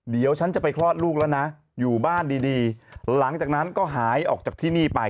เดี๋ยวฉันจะไปคลอดลูกแล้วนะอยู่บ้านดีหลังจากนั้นก็หายออกจากที่นี่ไป